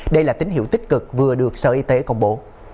đây là tín hiệu tích cực vừa được sở y tế công bố